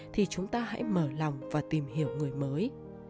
thì chúng ta hãy mở lòng và tìm hiểu người mới